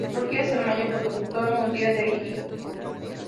Turquía es el mayor productor mundial de higos.